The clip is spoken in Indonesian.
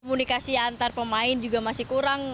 komunikasi antar pemain juga masih kurang